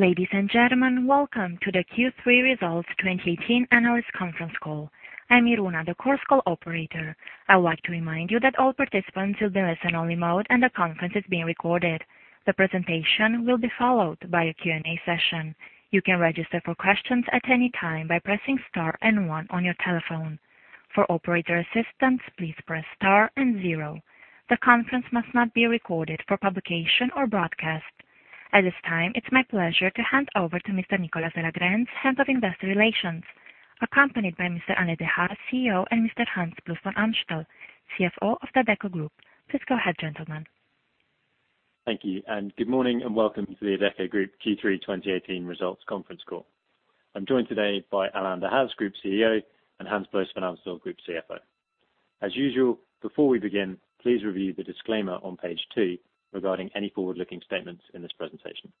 Ladies and gentlemen, welcome to the Q3 Results 2018 Analyst Conference Call. I'm Iruna, the Chorus Call operator. I would like to remind you that all participants will be in listen-only mode, and the conference is being recorded. The presentation will be followed by a Q&A session. You can register for questions at any time by pressing star and one on your telephone. For operator assistance, please press star and zero. The conference must not be recorded for publication or broadcast. At this time, it's my pleasure to hand over to Mr. Nicholas de la Grense, Head of Investor Relations, accompanied by Mr. Alain Dehaze, CEO, and Mr. Hans Ploos van Amstel, CFO of the Adecco Group. Please go ahead, gentlemen. Thank you. Good morning, and welcome to the Adecco Group Q3 2018 Results Conference Call. I'm joined today by Alain Dehaze, Group CEO, and Hans Ploos van Amstel, Group CFO. As usual, before we begin, please review the disclaimer on page two regarding any forward-looking statements in this presentation.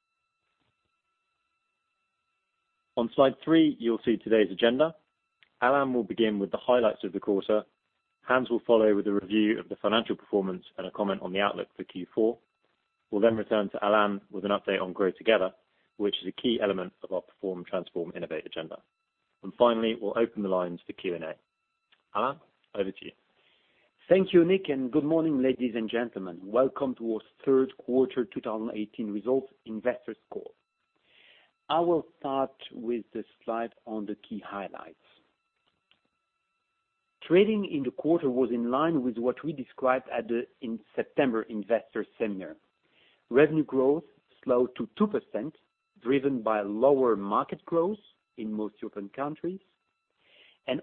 On slide three, you'll see today's agenda. Alain will begin with the highlights of the quarter. Hans will follow with a review of the financial performance and a comment on the outlook for Q4. We'll then return to Alain with an update on GrowTogether, which is a key element of our Perform, Transform, Innovate agenda. Finally, we'll open the lines for Q&A. Alain, over to you. Thank you, Nic. Good morning, ladies and gentlemen. Welcome to our third quarter 2018 results investors call. I will start with the slide on the key highlights. Trading in the quarter was in line with what we described in September investor seminar. Revenue growth slowed to 2%, driven by lower market growth in most European countries.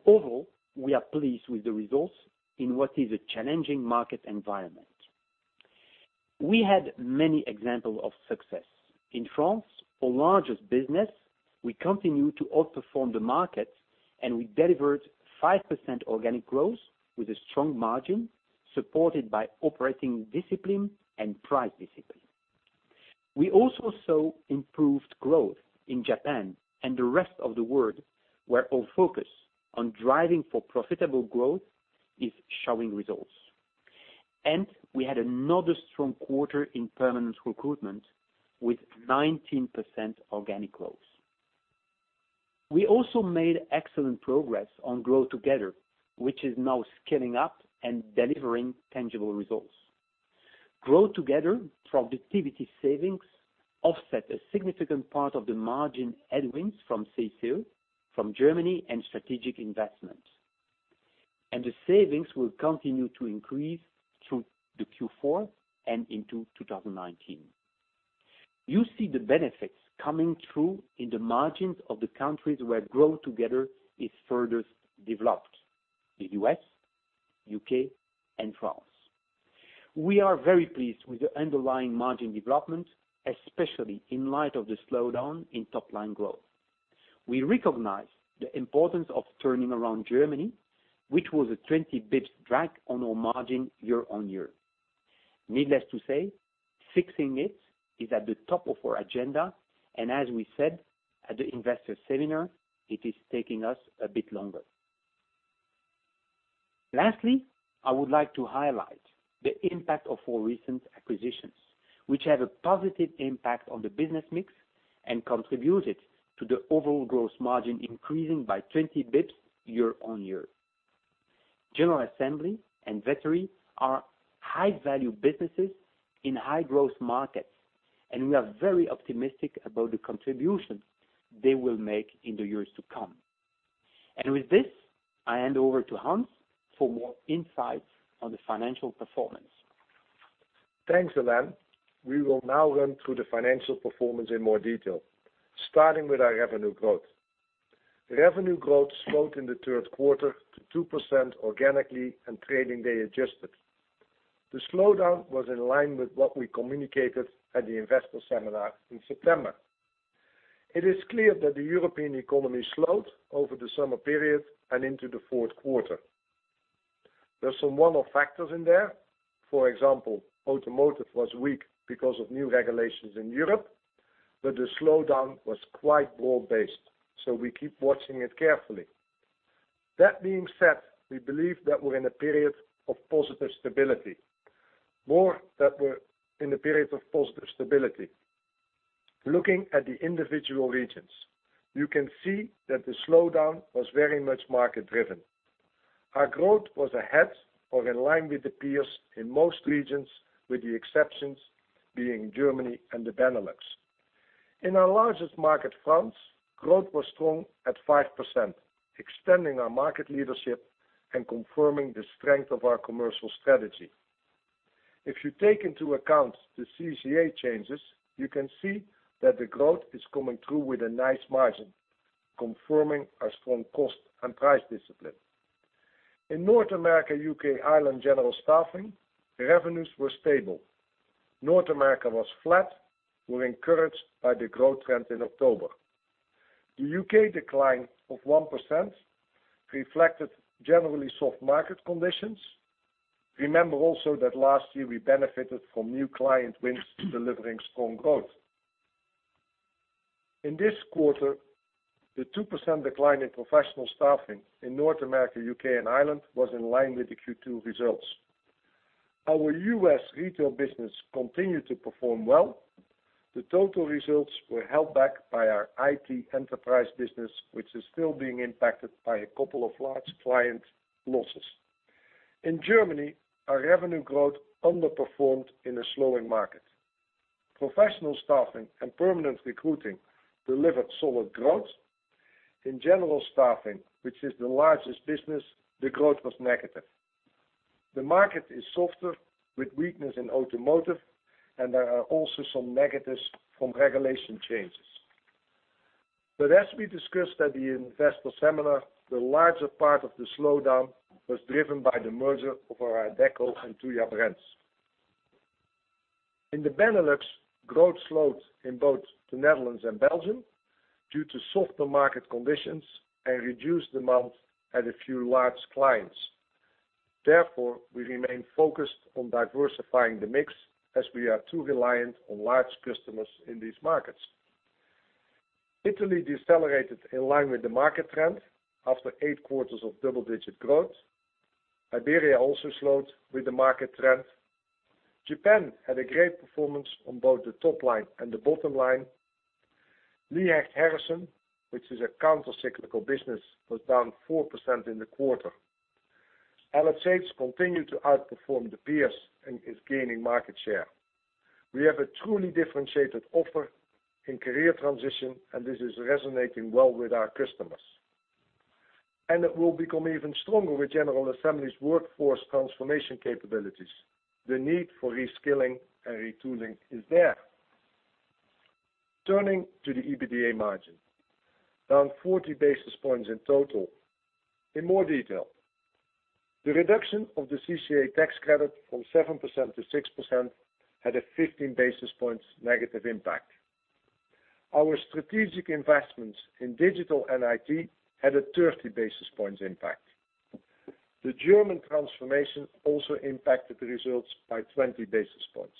Overall, we are pleased with the results in what is a challenging market environment. We had many examples of success. In France, our largest business, we continue to outperform the market, and we delivered 5% organic growth with a strong margin, supported by operating discipline and price discipline. We had another strong quarter in permanent recruitment with 19% organic growth. We also made excellent progress on GrowTogether, which is now scaling up and delivering tangible results. GrowTogether productivity savings offset a significant part of the margin headwinds from CICE, from Germany and strategic investments. The savings will continue to increase through the Q4 and into 2019. You see the benefits coming through in the margins of the countries where GrowTogether is furthest developed, the U.S., U.K., and France. We are very pleased with the underlying margin development, especially in light of the slowdown in top-line growth. We recognize the importance of turning around Germany, which was a 20 basis points drag on our margin year-over-year. Needless to say, fixing it is at the top of our agenda, and as we said at the investor seminar, it is taking us a bit longer. Lastly, I would like to highlight the impact of our recent acquisitions, which had a positive impact on the business mix and contributed to the overall gross margin increasing by 20 basis points year-on-year. General Assembly and Vettery are high-value businesses in high-growth markets, and we are very optimistic about the contribution they will make in the years to come. With this, I hand over to Hans for more insights on the financial performance. Thanks, Alain. We will now run through the financial performance in more detail, starting with our revenue growth. Revenue growth slowed in the third quarter to 2% organically and trading day adjusted. The slowdown was in line with what we communicated at the investor seminar in September. It is clear that the European economy slowed over the summer period and into the fourth quarter. There's some one-off factors in there. For example, automotive was weak because of new regulations in Europe, the slowdown was quite broad-based, we keep watching it carefully. That being said, we believe that we're in a period of positive stability. Looking at the individual regions, you can see that the slowdown was very much market driven. Our growth was ahead or in line with the peers in most regions, with the exceptions being Germany and the Benelux. In our largest market, France, growth was strong at 5%, extending our market leadership and confirming the strength of our commercial strategy. If you take into account the CCA changes, you can see that the growth is coming through with a nice margin, confirming our strong cost and price discipline. In North America, U.K., Ireland, general staffing, revenues were stable. North America was flat. We're encouraged by the growth trend in October. The U.K. decline of 1% reflected generally soft market conditions. Remember also that last year we benefited from new client wins delivering strong growth. In this quarter, the 2% decline in professional staffing in North America, U.K. and Ireland was in line with the Q2 results. Our U.S. retail business continued to perform well. The total results were held back by our IT enterprise business, which is still being impacted by a couple of large client losses. In Germany, our revenue growth underperformed in a slowing market. Professional staffing and permanent recruiting delivered solid growth. In general staffing, which is the largest business, the growth was negative. The market is softer with weakness in automotive, there are also some negatives from regulation changes. As we discussed at the investor seminar, the larger part of the slowdown was driven by the merger of our Adecco and Tuja brands. In the Benelux, growth slowed in both the Netherlands and Belgium due to softer market conditions and reduced demand at a few large clients. We remain focused on diversifying the mix as we are too reliant on large customers in these markets. Italy decelerated in line with the market trend after eight quarters of double-digit growth. Iberia also slowed with the market trend. Japan had a great performance on both the top line and the bottom line. Lee Hecht Harrison, which is a counter-cyclical business, was down 4% in the quarter. LHH continued to outperform the peers and is gaining market share. We have a truly differentiated offer in career transition, this is resonating well with our customers. It will become even stronger with General Assembly's workforce transformation capabilities. The need for reskilling and retooling is there. Turning to the EBITDA margin, down 40 basis points in total. In more detail, the reduction of the CCA tax credit from 7% to 6% had a 15 basis points negative impact. Our strategic investments in digital and IT had a 30 basis points impact. The German transformation also impacted the results by 20 basis points.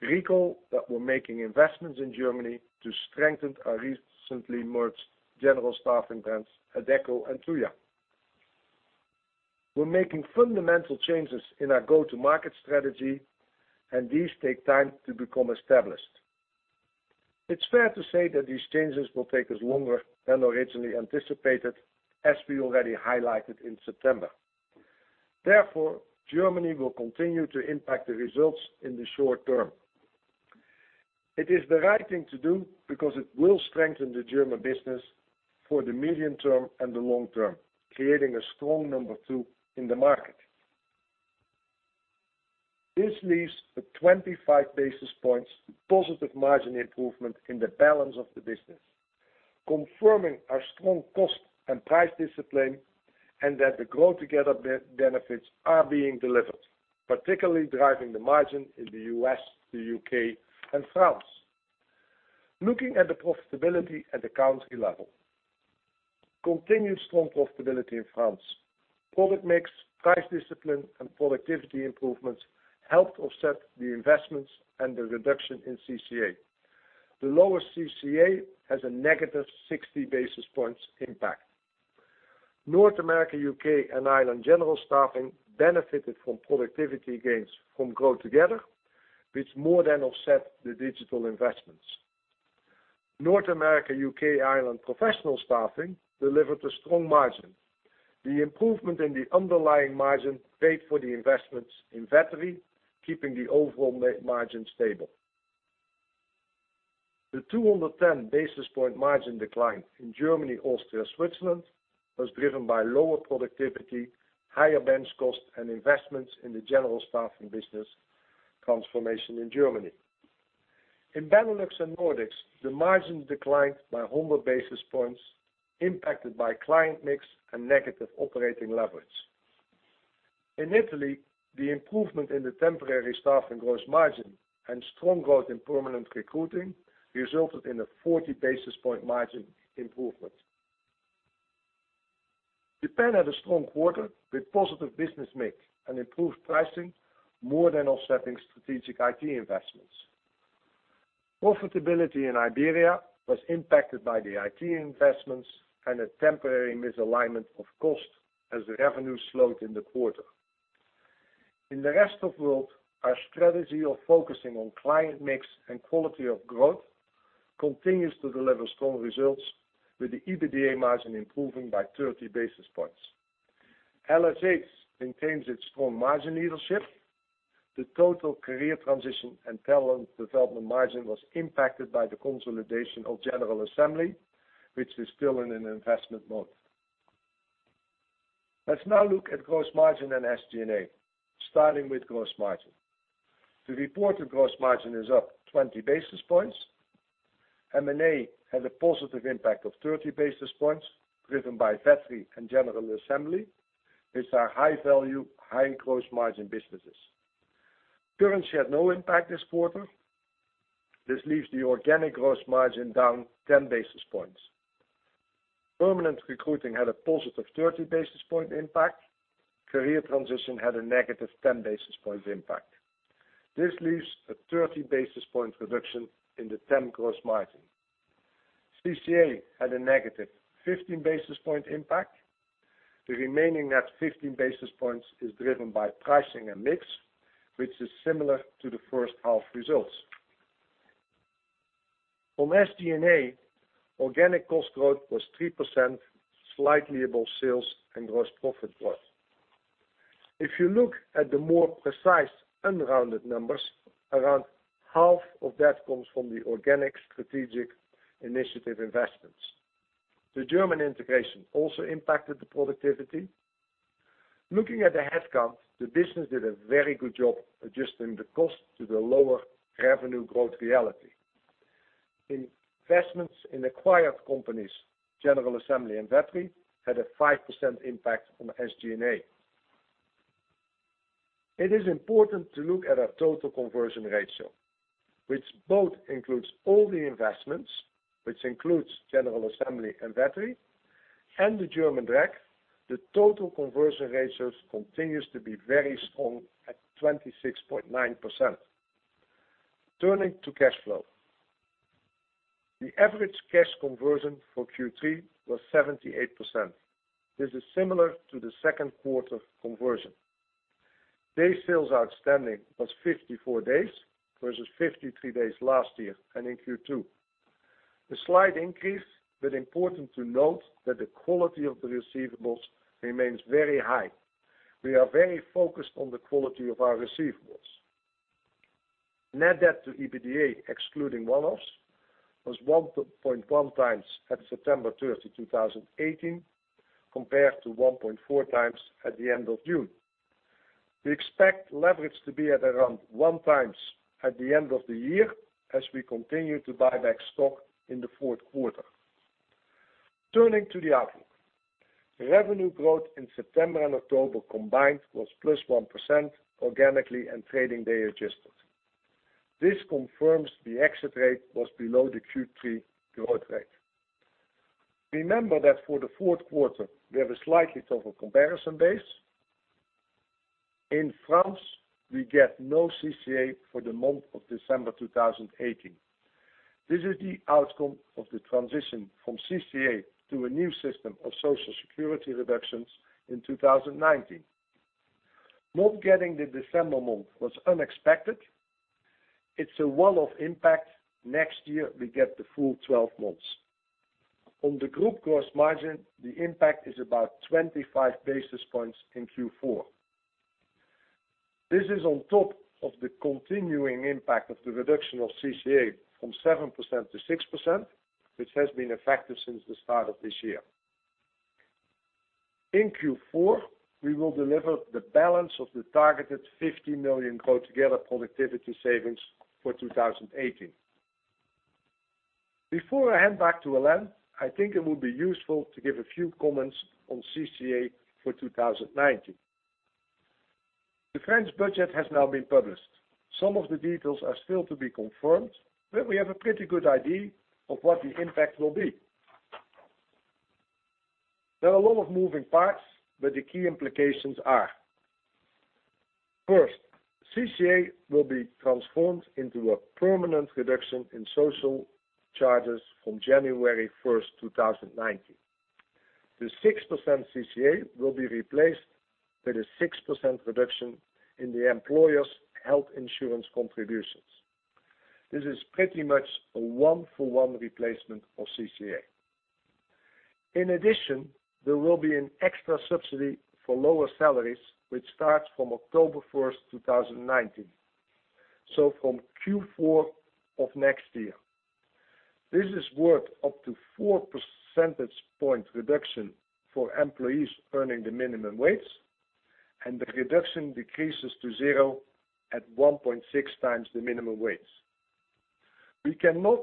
Recall that we're making investments in Germany to strengthen our recently merged general staffing brands, Adecco and Tuja. We're making fundamental changes in our go-to-market strategy, these take time to become established. It's fair to say that these changes will take us longer than originally anticipated, as we already highlighted in September. Therefore, Germany will continue to impact the results in the short term. It is the right thing to do because it will strengthen the German business for the medium term and the long term, creating a strong number 2 in the market. This leaves a 25 basis points positive margin improvement in the balance of the business, confirming our strong cost and price discipline and that the GrowTogether benefits are being delivered, particularly driving the margin in the U.S., the U.K., and France. Looking at the profitability at the country level. Continued strong profitability in France. Product mix, price discipline, and productivity improvements helped offset the investments and the reduction in CCA. The lower CCA has a negative 60 basis points impact. North America, U.K., and Ireland general staffing benefited from productivity gains from GrowTogether, which more than offset the digital investments. North America, U.K., Ireland professional staffing delivered a strong margin. The improvement in the underlying margin paid for the investments in Vettery, keeping the overall margin stable. The 210 basis point margin decline in Germany, Austria, Switzerland was driven by lower productivity, higher bench cost, and investments in the general staffing business transformation in Germany. In Benelux and Nordics, the margin declined by 100 basis points impacted by client mix and negative operating leverage. In Italy, the improvement in the temporary staffing gross margin and strong growth in permanent recruiting resulted in a 40 basis point margin improvement. Japan had a strong quarter with positive business mix and improved pricing more than offsetting strategic IT investments. Profitability in Iberia was impacted by the IT investments and a temporary misalignment of cost as revenue slowed in the quarter. In the rest of world, our strategy of focusing on client mix and quality of growth continues to deliver strong results with the EBITDA margin improving by 30 basis points. LHH maintains its strong margin leadership. The total career transition and talent development margin was impacted by the consolidation of General Assembly, which is still in an investment mode. Let's now look at gross margin and SG&A, starting with gross margin. The reported gross margin is up 20 basis points. M&A had a positive impact of 30 basis points, driven by Vettery and General Assembly. These are high value, high gross margin businesses. Currency had no impact this quarter. This leaves the organic gross margin down 10 basis points. Permanent recruiting had a positive 30 basis point impact. Career transition had a negative 10 basis points impact. This leaves a 30 basis point reduction in the temp gross margin. CCA had a negative 15 basis point impact. The remaining net 15 basis points is driven by pricing and mix, which is similar to the first half results. From SG&A, organic cost growth was 3%, slightly above sales and gross profit growth. If you look at the more precise unrounded numbers, around half of that comes from the organic strategic initiative investments. The German integration also impacted the productivity. Looking at the headcount, the business did a very good job adjusting the cost to the lower revenue growth reality. Investments in acquired companies, General Assembly and Vettery, had a 5% impact on SG&A. It is important to look at our total conversion ratio, which both includes all the investments, which includes General Assembly and Vettery, and the German drag. The total conversion ratios continues to be very strong at 26.9%. Turning to cash flow. The average cash conversion for Q3 was 78%. This is similar to the second quarter conversion. Day sales outstanding was 54 days versus 53 days last year and in Q2. A slight increase, but important to note that the quality of the receivables remains very high. We are very focused on the quality of our receivables. Net debt to EBITDA, excluding one-offs, was 1.1 times at September 30, 2018, compared to 1.4 times at the end of June. We expect leverage to be at around one times at the end of the year, as we continue to buy back stock in the fourth quarter. Turning to the outlook. Revenue growth in September and October combined was +1%, organically and trading day adjusted. This confirms the exit rate was below the Q3 growth rate. Remember that for the fourth quarter, we have a slightly tougher comparison base. In France, we get no CCA for the month of December 2018. This is the outcome of the transition from CCA to a new system of Social Security reductions in 2019. Not getting the December month was unexpected. It's a one-off impact. Next year, we get the full 12 months. On the group gross margin, the impact is about 25 basis points in Q4. This is on top of the continuing impact of the reduction of CCA from 7% to 6%, which has been effective since the start of this year. In Q4, we will deliver the balance of the targeted 50 million GrowTogether productivity savings for 2018. Before I hand back to Alain, I think it would be useful to give a few comments on CCA for 2019. The French budget has now been published. Some of the details are still to be confirmed, but we have a pretty good idea of what the impact will be. There are a lot of moving parts, but the key implications are: first, CCA will be transformed into a permanent reduction in social charges from January 1st, 2019. The 6% CCA will be replaced with a 6% reduction in the employer's health insurance contributions. This is pretty much a one-for-one replacement of CCA. In addition, there will be an extra subsidy for lower salaries, which starts from October 1st, 2019, so from Q4 of next year. This is worth up to four percentage point reduction for employees earning the minimum wage, and the reduction decreases to zero at 1.6 times the minimum wage. We cannot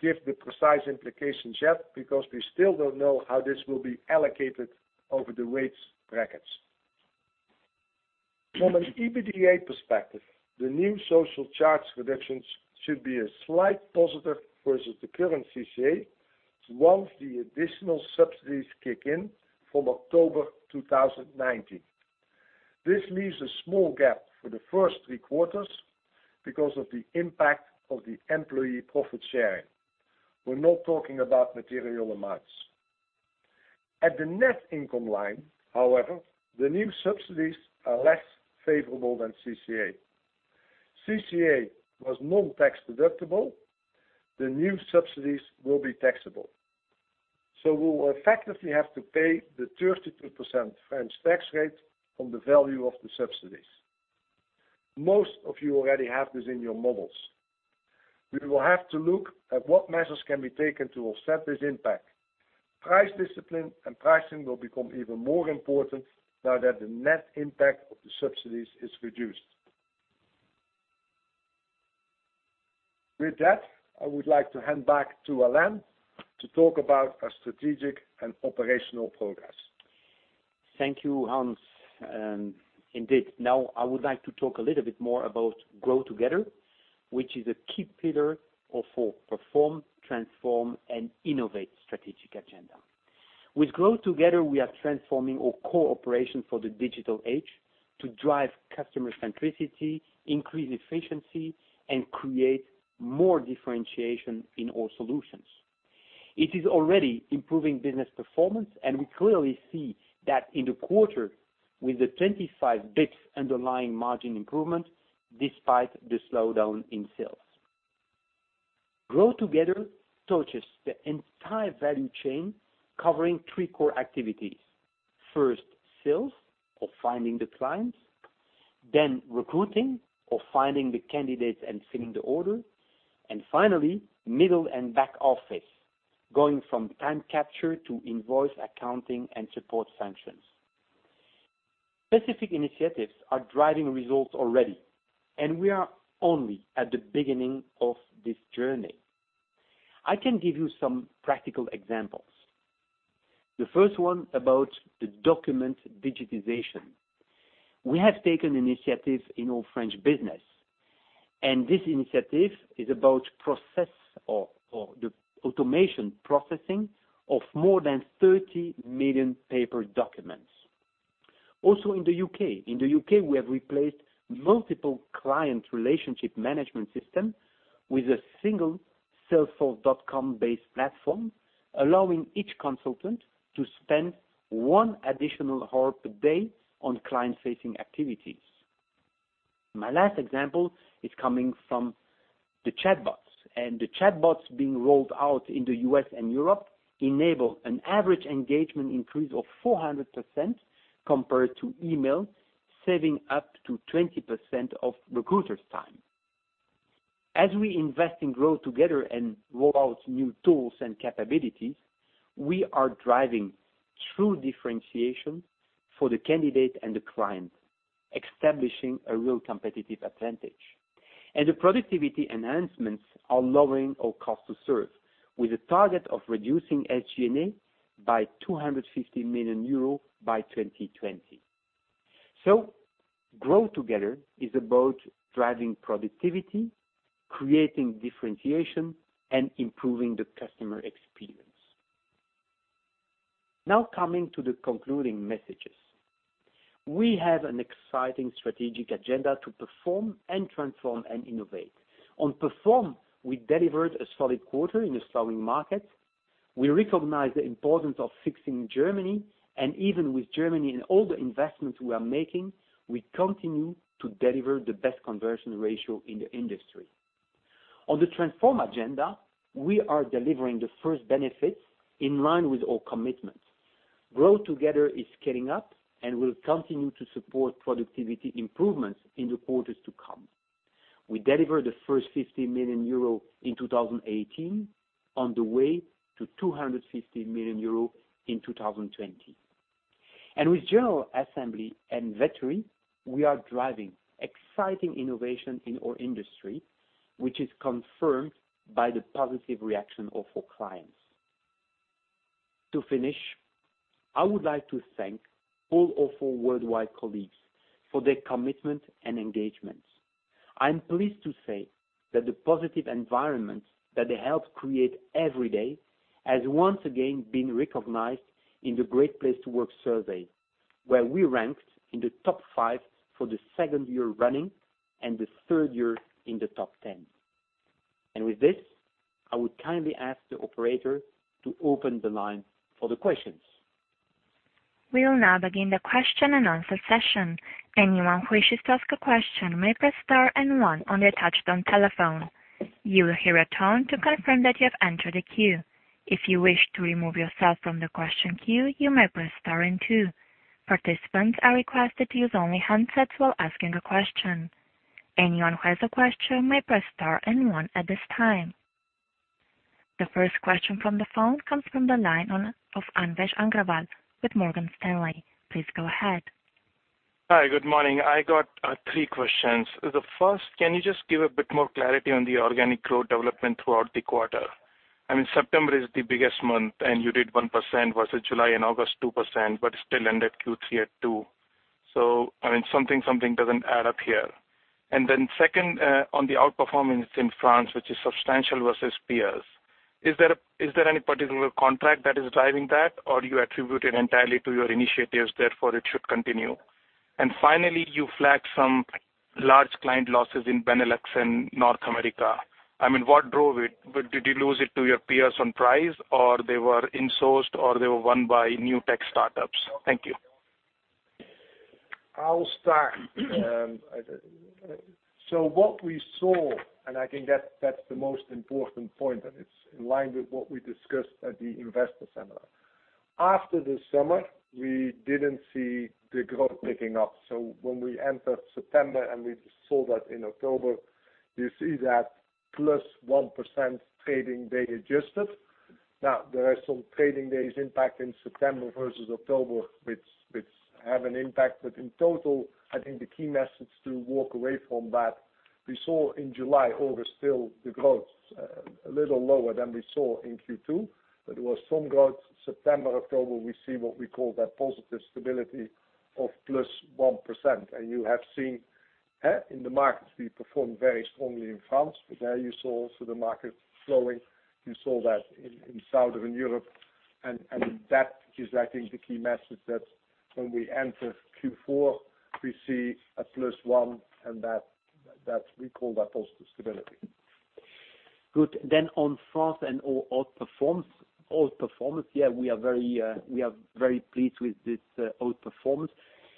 give the precise implications yet because we still don't know how this will be allocated over the wage brackets. From an EBITDA perspective, the new social charge reductions should be a slight positive versus the current CCA, once the additional subsidies kick in from October 2019. This leaves a small gap for the first three quarters because of the impact of the employee profit sharing. We're not talking about material amounts. At the net income line, however, the new subsidies are less favorable than CCA. CCA was non-tax deductible. The new subsidies will be taxable. We will effectively have to pay the 32% French tax rate on the value of the subsidies. Most of you already have this in your models. We will have to look at what measures can be taken to offset this impact. Price discipline and pricing will become even more important now that the net impact of the subsidies is reduced. With that, I would like to hand back to Alain to talk about our strategic and operational progress. Thank you, Hans. Indeed, I would like to talk a little bit more about GrowTogether, which is a key pillar of our Perform, Transform, and Innovate strategic agenda. With GrowTogether, we are transforming our core operation for the digital age to drive customer centricity, increase efficiency, and create more differentiation in our solutions. It is already improving business performance, and we clearly see that in the quarter with the 25 basis points underlying margin improvement despite the slowdown in sales. GrowTogether touches the entire value chain covering three core activities. First, sales or finding the clients. Recruiting or finding the candidates and filling the order. Finally, middle and back office, going from time capture to invoice accounting and support functions. Specific initiatives are driving results already, and we are only at the beginning of this journey. I can give you some practical examples. The first one about the document digitization. We have taken initiative in our French business, and this initiative is about the automation processing of more than 30 million paper documents. Also in the U.K. In the U.K., we have replaced multiple client relationship management system with a single salesforce.com-based platform, allowing each consultant to spend one additional hour per day on client-facing activities. My last example is coming from the chatbots, and the chatbots being rolled out in the U.S. and Europe enable an average engagement increase of 400% compared to email, saving up to 20% of recruiters' time. As we invest in GrowTogether and roll out new tools and capabilities, we are driving true differentiation for the candidate and the client, establishing a real competitive advantage. The productivity enhancements are lowering our cost to serve with a target of reducing SG&A by 250 million euros by 2020. GrowTogether is about driving productivity, creating differentiation, and improving the customer experience. Now coming to the concluding messages. We have an exciting strategic agenda to Perform and Transform and Innovate. On Perform, we delivered a solid quarter in a slowing market. We recognize the importance of fixing Germany, and even with Germany and all the investments we are making, we continue to deliver the best conversion ratio in the industry. On the Transform agenda, we are delivering the first benefits in line with our commitments. GrowTogether is scaling up and will continue to support productivity improvements in the quarters to come. We deliver the first 50 million euro in 2018 on the way to 250 million euro in 2020. With General Assembly and Vettery, we are driving exciting innovation in our industry, which is confirmed by the positive reaction of our clients. To finish, I would like to thank all of our worldwide colleagues for their commitment and engagement. I'm pleased to say that the positive environment that they helped create every day has once again been recognized in the Great Place to Work survey, where we ranked in the top five for the second year running and the third year in the top 10. With this, I would kindly ask the operator to open the line for the questions. We will now begin the question and answer session. Anyone who wishes to ask a question may press star and one on their touchtone telephone. You will hear a tone to confirm that you have entered a queue. If you wish to remove yourself from the question queue, you may press star and two. Participants are requested to use only handsets while asking a question. Anyone who has a question may press star and one at this time. The first question from the phone comes from the line of Anvesh Agarwal with Morgan Stanley. Please go ahead. Hi. Good morning. I got three questions. The first, can you just give a bit more clarity on the organic growth development throughout the quarter? I mean, September is the biggest month, and you did 1% versus July and August 2%, but still ended Q3 at 2. Then second, on the outperformance in France, which is substantial versus peers, is there any particular contract that is driving that or do you attribute it entirely to your initiatives, therefore it should continue? Finally, you flagged some large client losses in Benelux and North America. I mean, what drove it? Did you lose it to your peers on price, or they were insourced, or they were won by new tech startups? Thank you. I'll start. What we saw, I think that's the most important point, it's in line with what we discussed at the investor seminar. After the summer, we didn't see the growth picking up. When we entered September, and we saw that in October, you see that plus 1% trading day adjusted. Now, there are some trading days impact in September versus October, which have an impact. In total, I think the key message to walk away from that We saw in July, August still the growth, a little lower than we saw in Q2, there was some growth. September, October, we see what we call that positive stability of plus 1%. You have seen in the markets we perform very strongly in France, there you saw also the market slowing. You saw that in Southern Europe. That is, I think, the key message that when we enter Q4, we see a plus 1%, and we call that positive stability. Good. On France and outperformance. We are very pleased with this outperformance.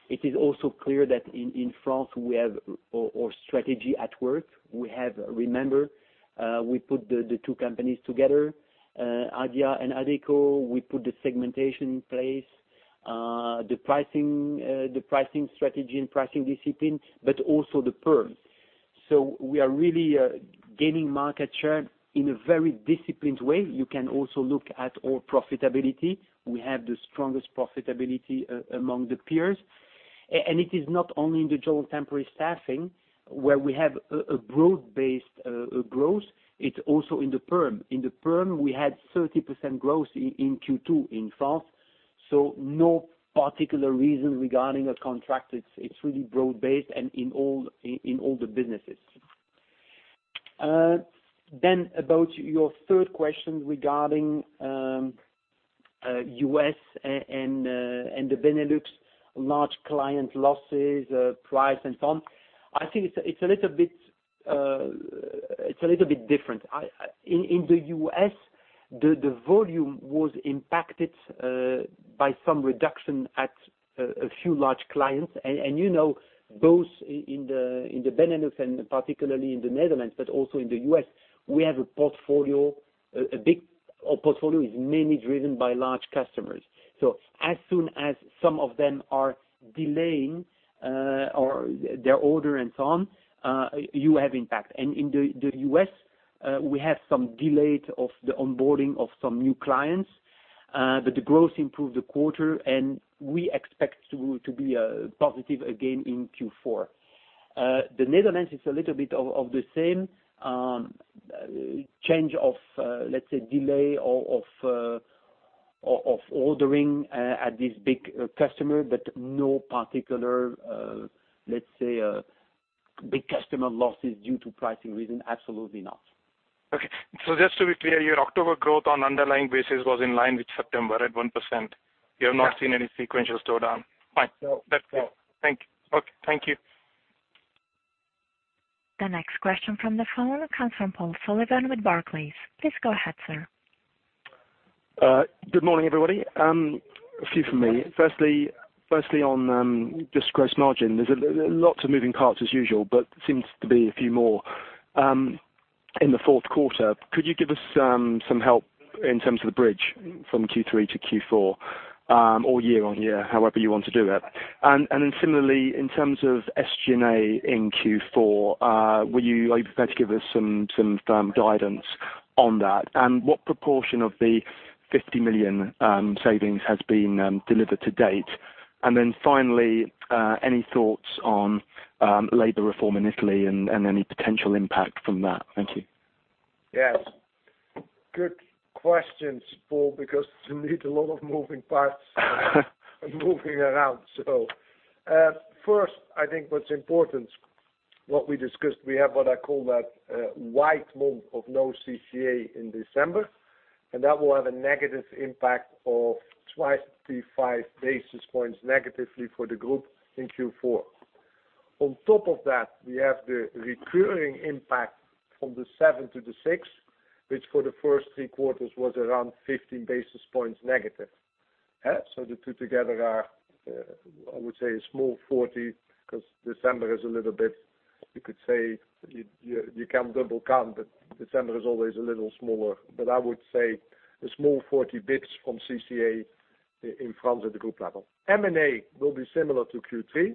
It is also clear that in France we have our strategy at work. Remember, we put the two companies together, Adia and Adecco. We put the segmentation in place, the pricing strategy and pricing discipline, also the perm. We are really gaining market share in a very disciplined way. You can also look at our profitability. We have the strongest profitability among the peers. It is not only in the general temporary staffing where we have a broad-based growth, it's also in the perm. In the perm, we had 30% growth in Q2 in France. No particular reason regarding a contract. It's really broad-based and in all the businesses. About your third question regarding U.S. and the Benelux, large client losses, price, and so on. I think it's a little bit different. In the U.S., the volume was impacted by some reduction at a few large clients. You know, both in the Benelux and particularly in the Netherlands, also in the U.S., our portfolio is mainly driven by large customers. As soon as some of them are delaying their order and so on, you have impact. In the U.S., we have some delayed of the onboarding of some new clients. The growth improved the quarter, and we expect to be positive again in Q4. The Netherlands is a little bit of the same. Change of, let's say, delay of ordering at this big customer, no particular, let's say, big customer losses due to pricing reason. Absolutely not. Okay. Just to be clear here, October growth on underlying basis was in line with September at 1%. Yeah. You have not seen any sequential slowdown. Fine. No. That's all. Thank you. The next question from the phone comes from Paul Sullivan with Barclays. Please go ahead, sir. Good morning, everybody. A few from me. Firstly, on just gross margin. There's lots of moving parts as usual, but seems to be a few more. In the fourth quarter, could you give us some help in terms of the bridge from Q3 to Q4, or year-on-year, however you want to do it? Similarly, in terms of SG&A in Q4, are you prepared to give us some firm guidance on that? What proportion of the 50 million savings has been delivered to date? Finally, any thoughts on labor reform in Italy and any potential impact from that? Thank you. Yes. Good questions, Paul, because you need a lot of moving parts moving around. First, I think what's important, what we discussed, we have what I call that white month of no CCA in December, and that will have a negative impact of 25 basis points negatively for the group in Q4. On top of that, we have the recurring impact from the 7 to the 6, which for the first three quarters was around 50 basis points negative. The two together are, I would say, a small 40 because December is a little bit, you could say, you can double count, but December is always a little smaller. I would say a small 40 basis points from CCA in France at the group level. M&A will be similar to Q3,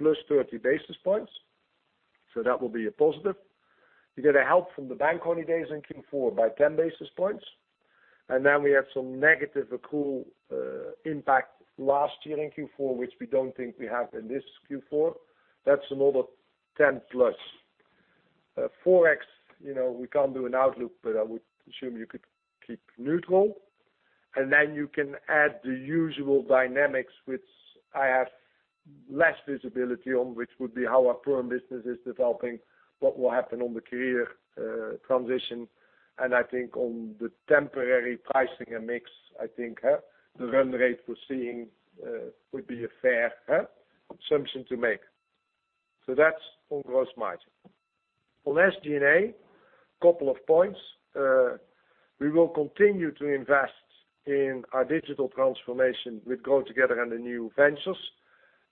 +30 basis points. That will be a positive. You get a help from the bank holidays in Q4 by 10 basis points. We have some negative accrual impact last year in Q4, which we don't think we have in this Q4. That's another +10. Forex, we can't do an outlook, but I would assume you could keep neutral. You can add the usual dynamics, which I have less visibility on, which would be how our perm business is developing, what will happen on the career transition. I think on the temporary pricing and mix, I think the run rate we're seeing would be a fair assumption to make. That's on gross margin. On SG&A, a couple of points. We will continue to invest in our digital transformation with GrowTogether and the new ventures.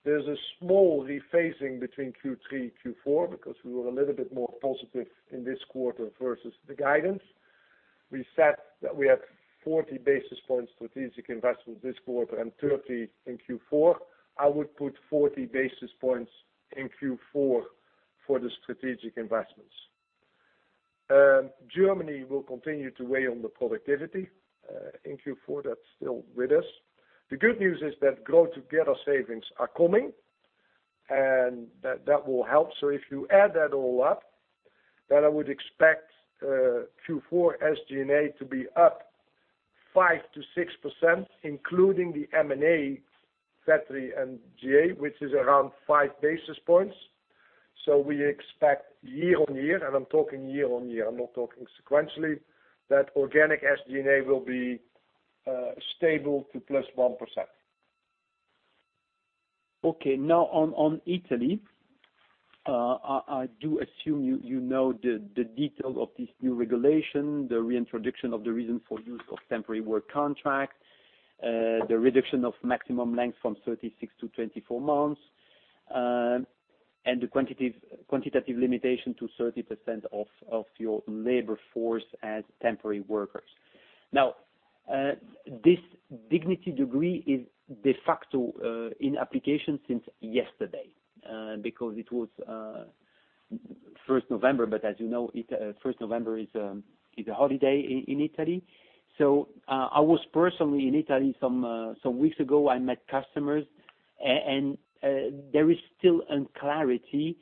There's a small rephasing between Q3, Q4 because we were a little bit more positive in this quarter versus the guidance. We said that we have 40 basis points strategic investment this quarter and 30 in Q4. I would put 40 basis points in Q4 for the strategic investment. Germany will continue to weigh on the productivity. In Q4, that's still with us. The good news is that GrowTogether savings are coming, that will help. If you add that all up, I would expect Q4 SG&A to be up 5%-6%, including the M&A, Vettery, and GA, which is around 5%. We expect year-on-year, and I'm talking year-on-year, I'm not talking sequentially, that organic SG&A will be stable to +1%. Okay. On Italy, I do assume you know the detail of this new regulation, the reintroduction of the reason for use of temporary work contract, the reduction of maximum length from 36 to 24 months, and the quantitative limitation to 30% of your labor force as temporary workers. This Dignity Decree is de facto in application since yesterday, because it was 1st November, but as you know, 1st November is a holiday in Italy. I was personally in Italy some weeks ago. I met customers, and there is still unclarity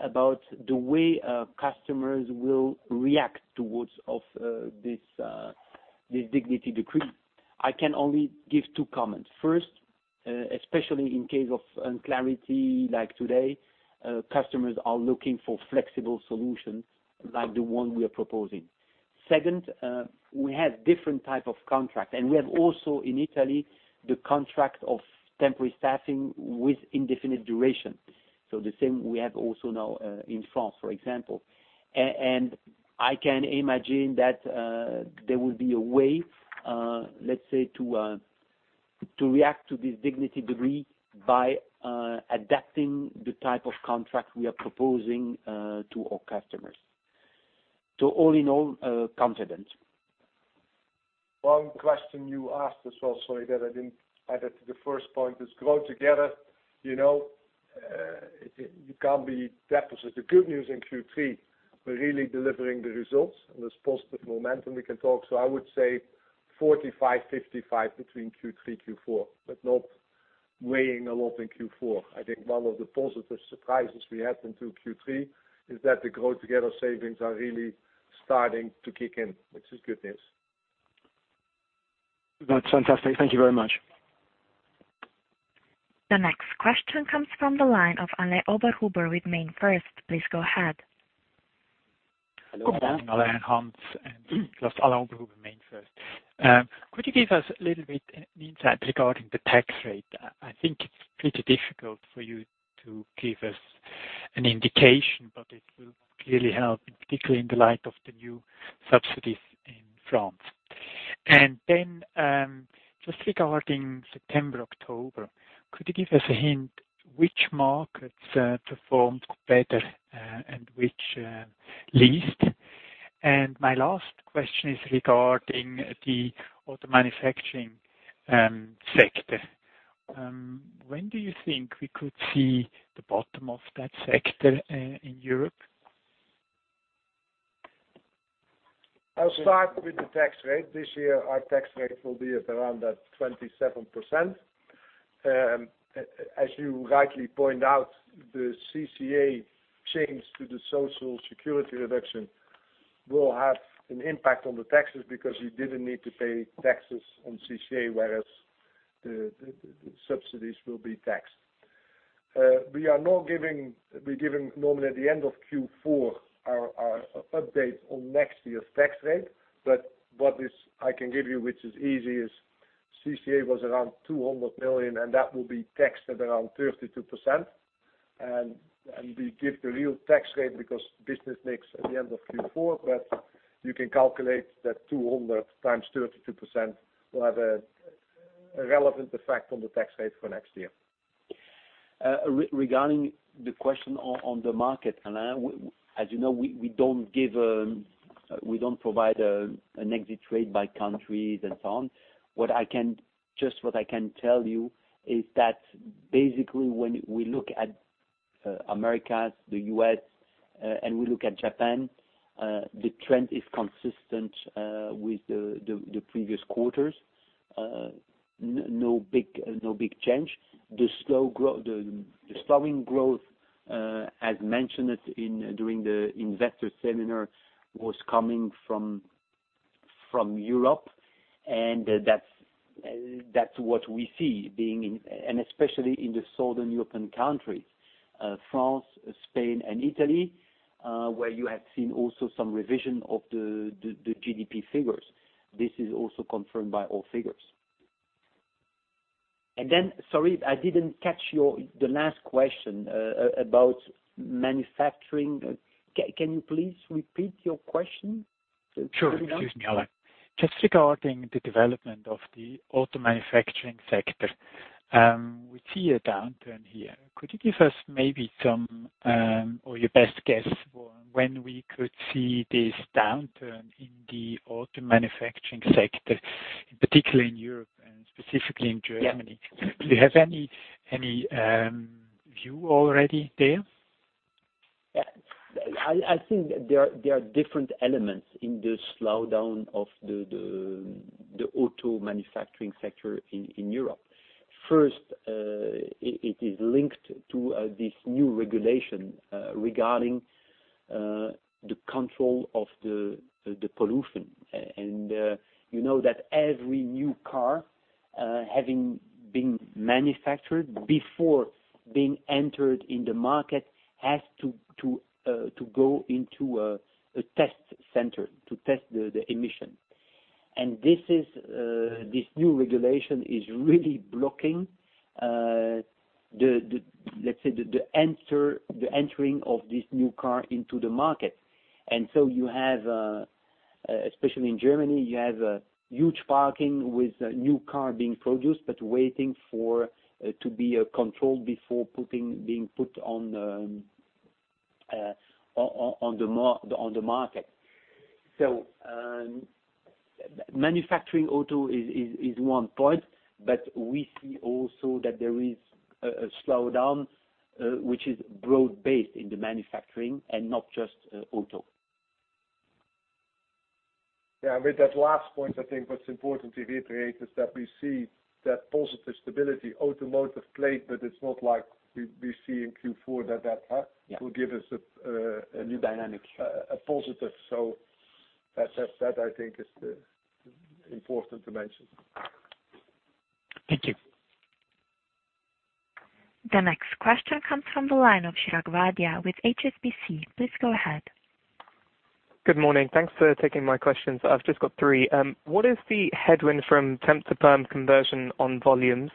about the way customers will react towards this Dignity Decree. I can only give two comments. First, especially in case of unclarity like today, customers are looking for flexible solutions like the one we are proposing. Second, we have different type of contract. We have also in Italy the contract of temporary staffing with indefinite duration. The same we have also now in France, for example. I can imagine that there will be a way, let's say, to react to this Dignity Decree by adapting the type of contract we are proposing to our customers. All in all, confident. One question you asked us also that I didn't add it to the first point is GrowTogether. It can't be deposited. The good news in Q3, we're really delivering the results and there's positive momentum we can talk. I would say 45/55 between Q3, Q4, but not weighing a lot in Q4. I think one of the positive surprises we had into Q3 is that the GrowTogether savings are really starting to kick in, which is good news. That's fantastic. Thank you very much. The next question comes from the line of Alain Oberhuber with MainFirst. Please go ahead. Good morning, Alain and Hans. Alain Oberhuber, MainFirst. Could you give us a little bit insight regarding the tax rate? I think it's pretty difficult for you to give us an indication, but it will clearly help, particularly in the light of the new subsidies in France. Just regarding September, October, could you give us a hint which markets performed better and which least? My last question is regarding the auto manufacturing sector. When do you think we could see the bottom of that sector in Europe? I'll start with the tax rate. This year, our tax rate will be at around that 27%. As you rightly point out, the CCA change to the Social Security reduction will have an impact on the taxes because you didn't need to pay taxes on CCA, whereas the subsidies will be taxed. We're giving normally at the end of Q4 our update on next year's tax rate. What is I can give you, which is easy, is CCA was around 200 million, and that will be taxed at around 32%. We give the real tax rate because business makes at the end of Q4, but you can calculate that 200 million times 32% will have a relevant effect on the tax rate for next year. Regarding the question on the market, Alain, as you know, we don't provide an exit rate by countries and so on. Just what I can tell you is that basically, when we look at Americas, the U.S., and we look at Japan, the trend is consistent with the previous quarters. No big change. The slowing growth, as mentioned during the investor seminar, was coming from Europe, and that's what we see, and especially in the Southern European countries, France, Spain, and Italy, where you have seen also some revision of the GDP figures. This is also confirmed by all figures. Sorry, I didn't catch the last question about manufacturing. Can you please repeat your question? Sure. Excuse me, Alain. Just regarding the development of the auto manufacturing sector. We see a downturn here. Could you give us maybe some, or your best guess for when we could see this downturn in the auto manufacturing sector, particularly in Europe and specifically in Germany? Yeah. Do you have any- View already there? Yeah. I think there are different elements in the slowdown of the auto manufacturing sector in Europe. First, it is linked to this new regulation regarding the control of the pollution. You know that every new car having been manufactured before being entered in the market has to go into a test center to test the emission. This new regulation is really blocking, let's say, the entering of this new car into the market. Especially in Germany, you have a huge parking with a new car being produced, but waiting to be controlled before being put on the market. Manufacturing auto is one point, but we see also that there is a slowdown, which is broad-based in the manufacturing and not just auto. With that last point, I think what's important to reiterate is that we see that positive stability, automotive plate, but it's not like we see in Q4 that will give us. A new dynamic. A positive. That I think is important to mention. Thank you. The next question comes from the line of Chirag Wadia with HSBC. Please go ahead. Good morning. Thanks for taking my questions. I've just got three. What is the headwind from temp-to-perm conversion on volumes?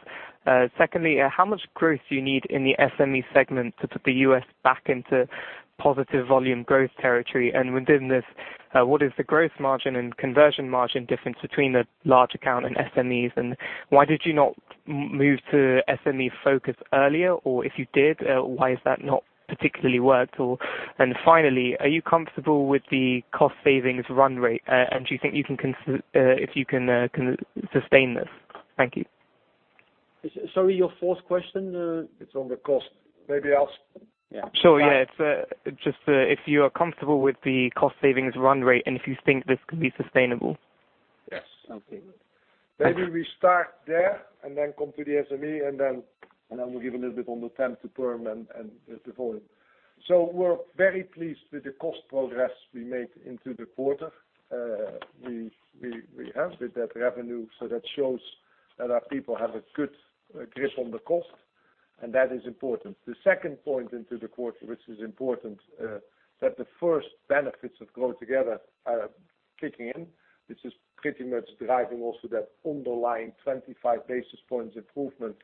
Secondly, how much growth do you need in the SME segment to put the U.S. back into positive volume growth territory? Within this, what is the growth margin and conversion margin difference between the large account and SMEs, and why did you not move to SME focus earlier? If you did, why has that not particularly worked? Finally, are you comfortable with the cost savings run rate? Do you think if you can sustain this? Thank you. Sorry, your fourth question? It's on the cost. Sure, yeah. Just if you are comfortable with the cost savings run rate, and if you think this could be sustainable? Yes. Okay. Maybe we start there and then come to the SME and then we'll give a little bit on the temp to perm and the volume. We're very pleased with the cost progress we made into the quarter. We have with that revenue, so that shows that our people have a good grip on the cost, and that is important. The second point into the quarter, which is important, that the first benefits of GrowTogether are kicking in. This is pretty much driving also that underlying 25 basis points improvement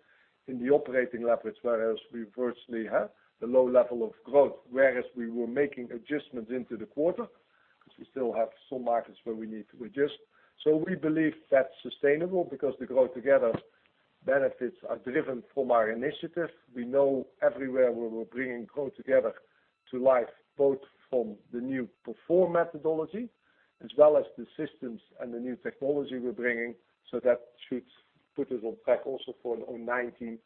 in the operating leverage, whereas we virtually have the low level of growth. Whereas we were making adjustments into the quarter, because we still have some markets where we need to adjust. We believe that's sustainable because the GrowTogether benefits are driven from our initiative. We know everywhere where we're bringing GrowTogether to life, both from the new Perform methodology as well as the systems and the new technology we're bringing. That should put us on track also for 2019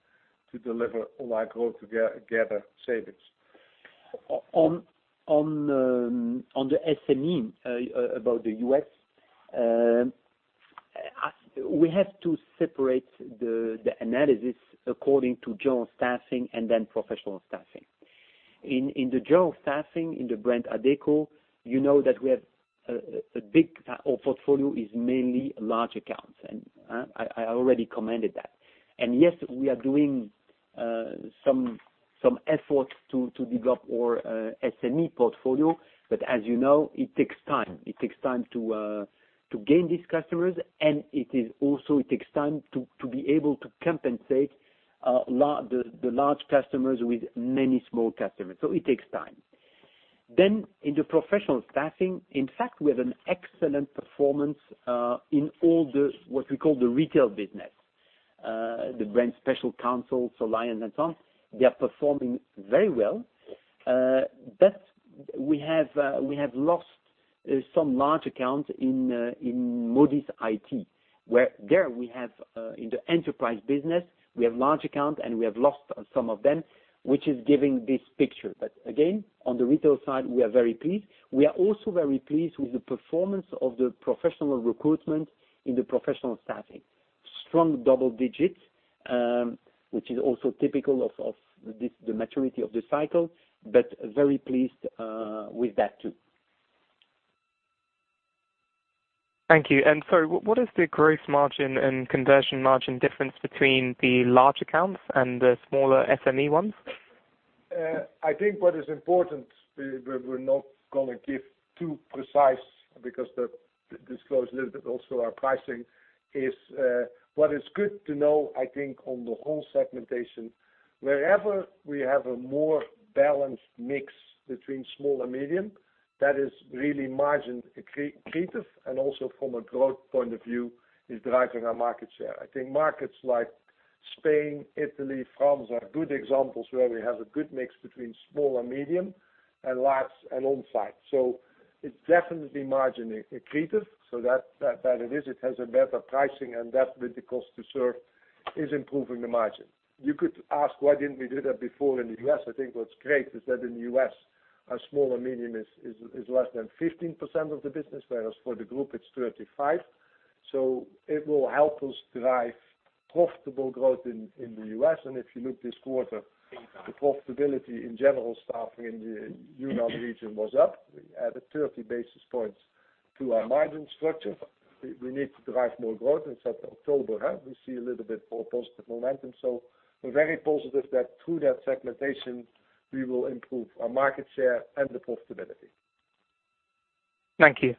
to deliver on our GrowTogether savings. On the SME, about the U.S., we have to separate the analysis according to general staffing and then professional staffing. In the general staffing, in the brand Adecco, you know that our portfolio is mainly large accounts, and I already commented that. Yes, we are doing some effort to develop our SME portfolio, but as you know, it takes time. It takes time to gain these customers, and it also takes time to be able to compensate the large customers with many small customers. It takes time. In the professional staffing, in fact, we have an excellent performance in all what we call the retail business. The brand Special Counsel, Soliant and so on, they are performing very well. We have lost some large accounts in Modis IT, where in the enterprise business, we have large account, and we have lost some of them, which is giving this picture. Again, on the retail side, we are very pleased. We are also very pleased with the performance of the professional recruitment in the professional staffing. Strong double digits, which is also typical of the maturity of the cycle, but very pleased with that too. Thank you. What is the growth margin and conversion margin difference between the large accounts and the smaller SME ones? I think what is important, we're not going to give too precise because that discloses a little bit also our pricing. What is good to know, I think, on the whole segmentation, wherever we have a more balanced mix between small and medium, that is really margin accretive and also from a growth point of view, is driving our market share. I think markets like Spain, Italy, France are good examples where we have a good mix between small and medium, and large and on-site. It's definitely margin accretive. That it is. It has a better pricing and that with the cost to serve is improving the margin. You could ask why didn't we do that before in the U.S.? I think what's great is that in the U.S., our small and medium is less than 15% of the business, whereas for the group it's 35%. It will help us drive profitable growth in the U.S. If you look this quarter, the profitability in general staffing in the U.S. region was up. We added 30 basis points to our margin structure. We need to drive more growth. In October, we see a little bit more positive momentum. We're very positive that through that segmentation, we will improve our market share and the profitability. Thank you.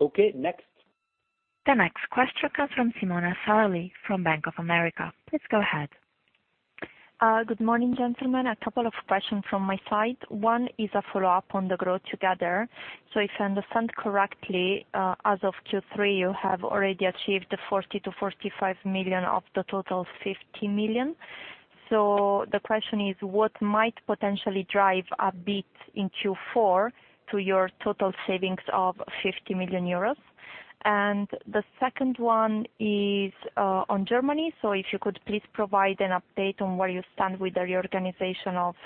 Okay, next. The next question comes from Simona Salali from Bank of America. Please go ahead. Good morning, gentlemen. A couple of questions from my side. One is a follow-up on the GrowTogether. If I understand correctly, as of Q3, you have already achieved 40 million-45 million of the total 50 million. The question is, what might potentially drive a bit in Q4 to your total savings of 50 million euros? The second one is on Germany. If you could please provide an update on where you stand with the reorganization of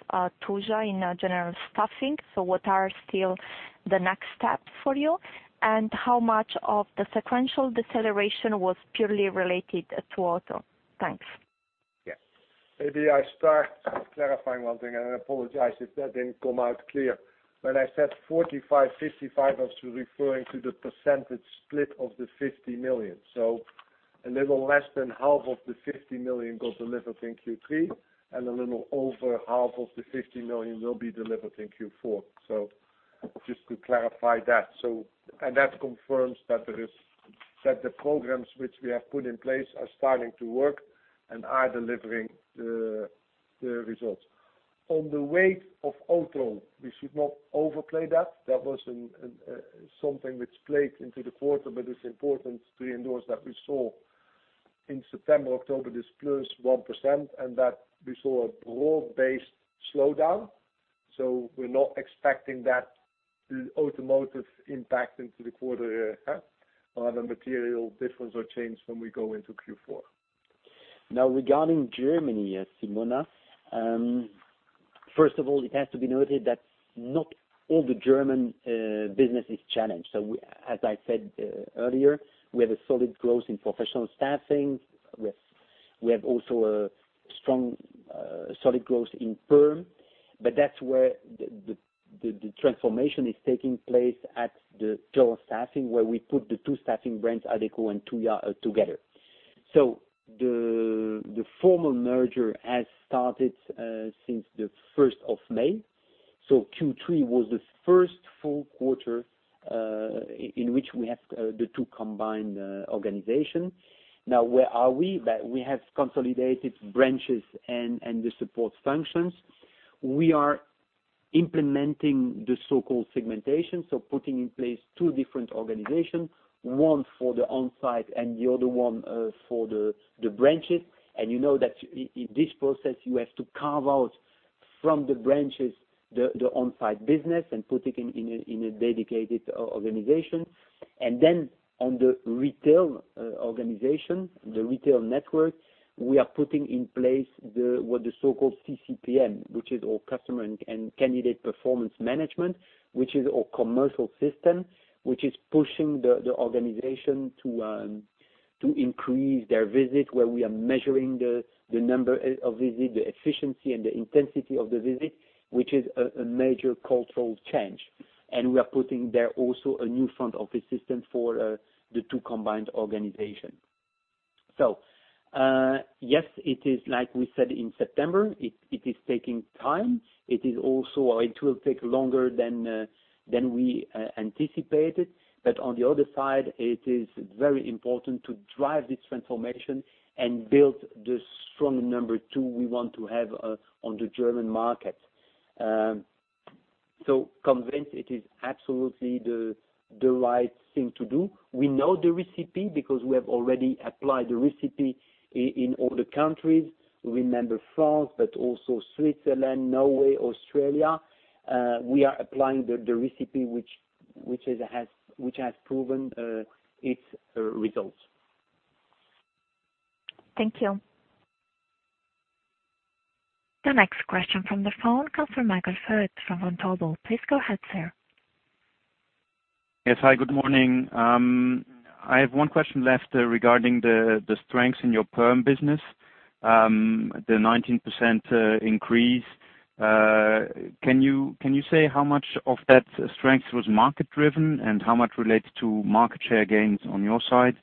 Tuja in general staffing. What are still the next steps for you? How much of the sequential deceleration was purely related to auto? Thanks. Yeah. Maybe I start clarifying one thing, and I apologize if that didn't come out clear. When I said 45/55, I was referring to the percentage split of the 50 million. A little less than half of the 50 million got delivered in Q3, and a little over half of the 50 million will be delivered in Q4. Just to clarify that. That confirms that the programs which we have put in place are starting to work and are delivering the results. On the weight of auto, we should not overplay that. That was something which played into the quarter, but it's important to endorse what we saw in September, October, this +1%, and that we saw a broad-based slowdown. We're not expecting that automotive impact into the quarter or the material difference or change when we go into Q4. Regarding Germany, Simona, first of all, it has to be noted that not all the German business is challenged. As I said earlier, we have a solid growth in professional staffing. We have also a strong, solid growth in perm, but that's where the transformation is taking place at the general staffing, where we put the two staffing brands, Adecco and Tuja, together. The formal merger has started since the 1st of May. Q3 was the first full quarter in which we have the two combined organizations. Where are we? We have consolidated branches and the support functions. We are implementing the so-called segmentation, so putting in place two different organizations, one for the on-site and the other one for the branches. You know that in this process, you have to carve out from the branches the on-site business and put it in a dedicated organization. Then on the retail organization, the retail network, we are putting in place what the so-called CCPM, which is our customer and candidate performance management, which is our commercial system, which is pushing the organization to increase their visit, where we are measuring the number of visits, the efficiency, and the intensity of the visit, which is a major cultural change. We are putting there also a new front office system for the two combined organizations. Yes, it is like we said in September. It is taking time. It will take longer than we anticipated. On the other side, it is very important to drive this transformation and build the strong number 2 we want to have on the German market. Convinced it is absolutely the right thing to do. We know the recipe because we have already applied the recipe in other countries. Remember France, but also Switzerland, Norway, Australia. We are applying the recipe which has proven its results. Thank you. The next question from the phone comes from Michael Foeth from Vontobel. Please go ahead, sir. Yes, hi, good morning. I have one question left regarding the strengths in your perm business, the 19% increase. Can you say how much of that strength was market-driven, and how much relates to market share gains on your side?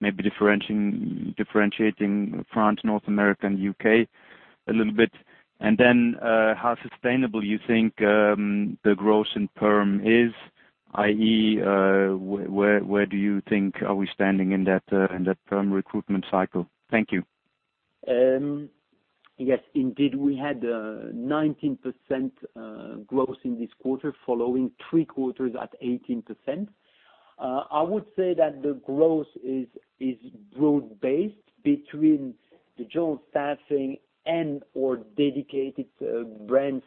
Maybe differentiating France, North America, and U.K. a little bit. How sustainable you think the growth in perm is, i.e., where do you think are we standing in that perm recruitment cycle? Thank you. Yes, indeed, we had a 19% growth in this quarter following three quarters at 18%. I would say that the growth is broad-based between the general staffing and/or dedicated brands.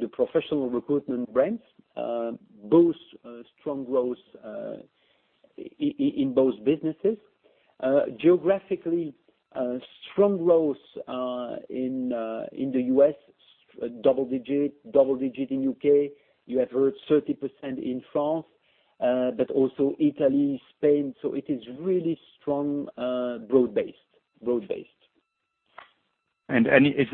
The professional recruitment brands, both strong growth in both businesses. Geographically, strong growth in the U.S., double-digit in U.K. You have heard 30% in France, but also Italy, Spain. It is really strong growth-based.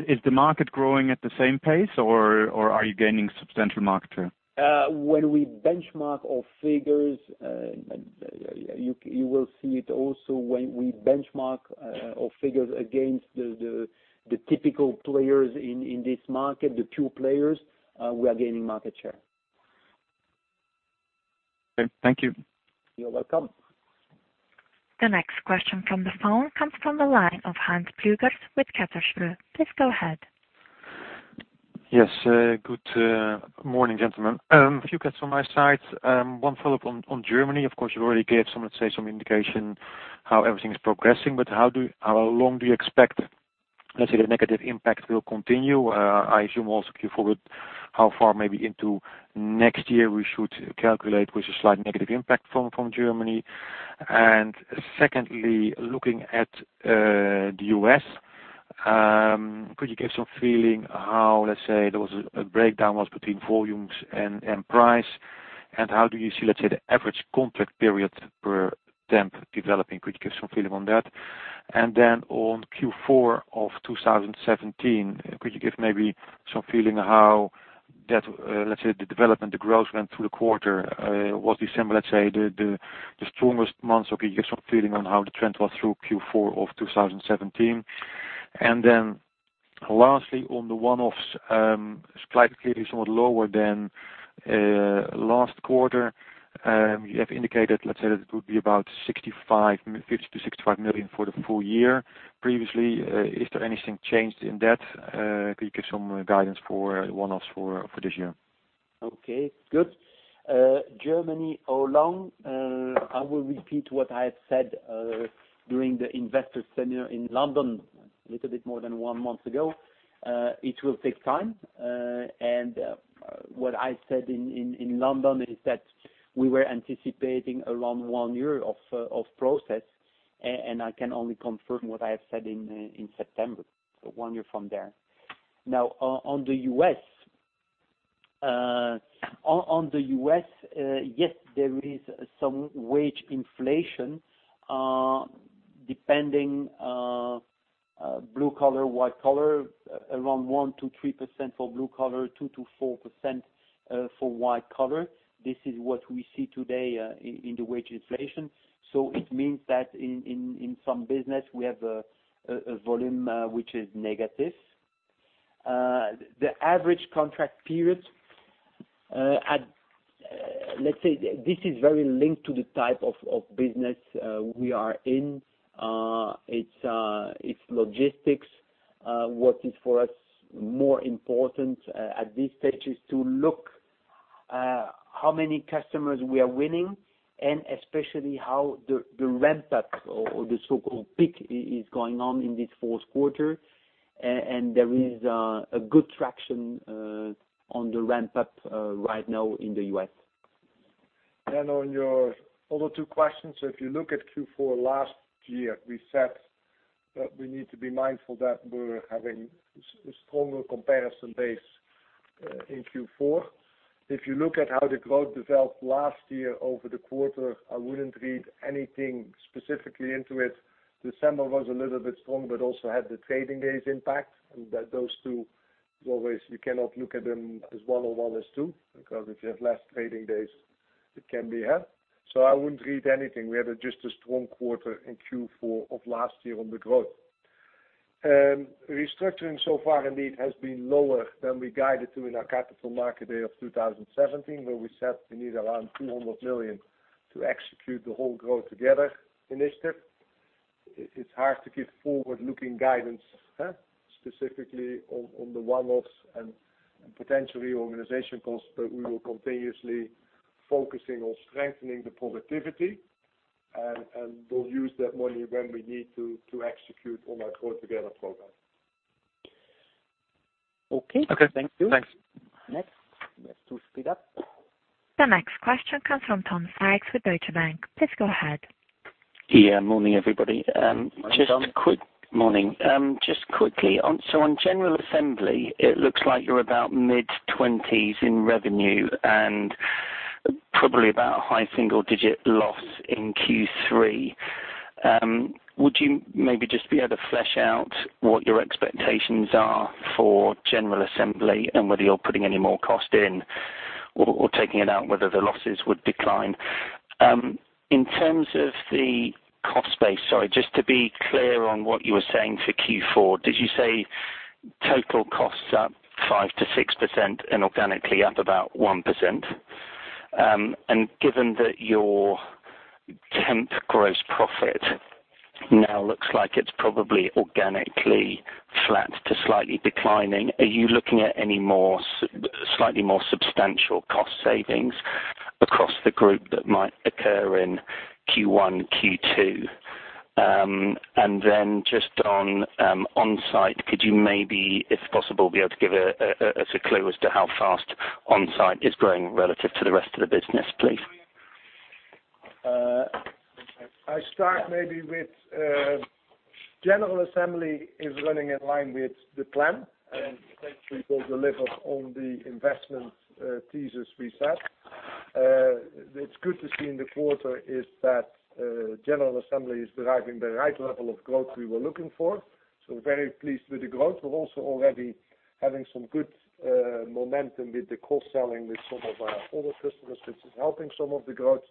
Is the market growing at the same pace, or are you gaining substantial market share? When we benchmark our figures, you will see it also when we benchmark our figures against the typical players in this market, the pure players, we are gaining market share. Okay. Thank you. You're welcome. The next question from the phone comes from the line of [Hans Pluijgers with KBC]. Please go ahead. Yes. Good morning, gentlemen. A few questions on my side. One follow-up on Germany. Of course, you already gave, let's say some indication how everything is progressing, how long do you expect, let's say the negative impact will continue? I assume also give forward how far maybe into next year we should calculate with a slight negative impact from Germany. Secondly, looking at the U.S., could you give some feeling how, let's say, there was a breakdown was between volumes and price, and how do you see, let's say, the average contract period per temp developing, could you give some feeling on that? On Q4 of 2017, could you give maybe some feeling how that, let's say the development, the growth went through the quarter? Was December, let's say, the strongest month, or could you give some feeling on how the trend was through Q4 of 2017? Lastly, on the one-offs, slightly clearly somewhat lower than last quarter. You have indicated, let's say that it would be about 50 million-65 million for the full year previously. Is there anything changed in that? Could you give some guidance for one-offs for this year? Okay, good. Germany, how long? I will repeat what I have said, during the investor seminar in London a little bit more than one month ago. It will take time. What I said in London is that we were anticipating around one year of process, and I can only confirm what I have said in September, one year from there. On the U.S., yes, there is some wage inflation, depending blue collar, white collar, around 1%-3% for blue collar, 2%-4% for white collar. This is what we see today in the wage inflation. It means that in some business we have a volume which is negative. The average contract period, let's say this is very linked to the type of business we are in. It's logistics. What is for us more important at this stage is to look how many customers we are winning and especially how the ramp-up or the so-called peak is going on in this fourth quarter. There is a good traction on the ramp-up right now in the U.S. On your other two questions, if you look at Q4 last year, we said that we need to be mindful that we're having a stronger comparison base in Q4. If you look at how the growth developed last year over the quarter, I wouldn't read anything specifically into it. December was a little bit strong, but also had the trading days impact, and that those two, as always, you cannot look at them as one or one as two, because if you have less trading days, it can be half. I wouldn't read anything. We had just a strong quarter in Q4 of last year on the growth. Restructuring so far indeed has been lower than we guided to in our capital market day of 2017, where we said we need around 200 million to execute the whole GrowTogether initiative. It's hard to give forward-looking guidance, specifically on the one-offs and potential reorganization costs, but we will continuously focusing on strengthening the productivity. We'll use that money when we need to execute on our GrowTogether program. Okay. Okay. Thank you. Thanks. Next. We have to speed up. The next question comes from Tom Sykes with Deutsche Bank. Please go ahead. Yeah. Morning, everybody. Morning, Tom. Morning. Just quickly, on General Assembly, it looks like you're about mid-20s in revenue and probably about a high single-digit loss in Q3. Would you maybe just be able to flesh out what your expectations are for General Assembly and whether you're putting any more cost in or taking it out, whether the losses would decline? In terms of the cost base, sorry, just to be clear on what you were saying for Q4, did you say total costs up 5%-6% and organically up about 1%? Given that your temp gross profit now looks like it's probably organically flat to slightly declining, are you looking at any slightly more substantial cost savings across the group that might occur in Q1, Q2? Just on Onsite, could you maybe, if possible, be able to give us a clue as to how fast Onsite is growing relative to the rest of the business, please? I start maybe with General Assembly is running in line with the plan, we will deliver on the investment thesis we set. It's good to see in the quarter is that General Assembly is driving the right level of growth we were looking for. Very pleased with the growth. We're also already having some good momentum with the cross-selling with some of our other customers, which is helping some of the growth.